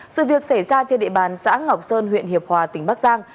sự việc xảy ra trên địa bàn xã ngọc sơn huyện hiệp hòa tỉnh bắc giang